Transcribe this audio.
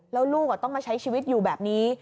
แล้วลูกต้องมาใช้ชีวิตอยู่แบบนี้